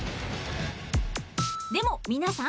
でも皆さん！